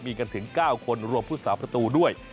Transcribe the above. มีกันถึง๙คนรวมผู้สาประตูด้วย